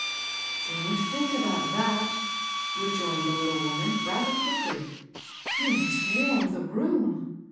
'' "Don't think about that," rejoined the litde woman, rather quickly. " You must warm the room.